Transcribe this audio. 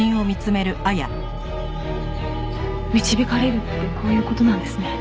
導かれるってこういう事なんですね。